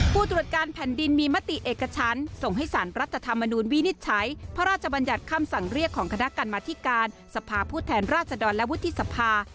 ผู้ตรวจการแผ่นดินมีมติเอกชั้นส่งให้สารรัฐธรรมนูญวินิจฉัยพระราชบัญญัติคำสั่งเรียกของคณะกรรมธิการสภาผู้แทนราชดรและวุฒิสภา